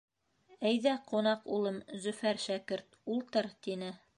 — Әйҙә, ҡунаҡ улым, Зөфәр шәкерт, ултыр! — тине.